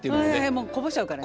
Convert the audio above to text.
もうこぼしちゃうからね。